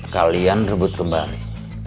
kalian rebut kembali